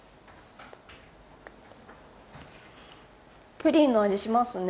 プリンの味、しますね。